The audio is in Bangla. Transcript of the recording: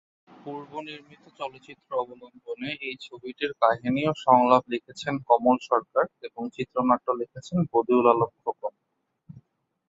পূর্ব নির্মিত চলচ্চিত্র অবলম্বনে এই ছবিটির কাহিনী ও সংলাপ লিখেছেন কমল সরকার এবং চিত্রনাট্য লিখেছেন বদিউল আলম খোকন।